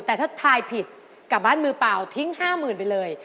แต่ถ้าทายผิดกลับบ้านมือเปล่าทิ้ง๕๐๐๐ไปเลย